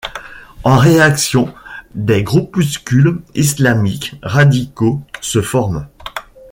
En réaction, des groupuscules islamiques radicaux se forment.